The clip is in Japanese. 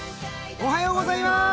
おはようございます。